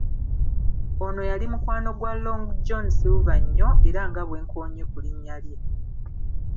Ono yali mukwano gwa Long John Silver nnyo, era nga bwe nkoonye ku linnya lye.